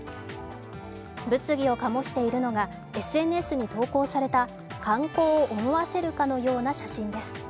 物議を醸しているのが、ＳＮＳに投稿された観光を思わせるかのような写真です。